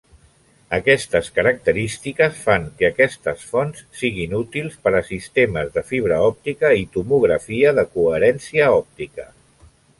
Aquestes característiques fan que aquests fonts siguin útils per a sistemes de fibra òptica i tomografia de coherència òptica.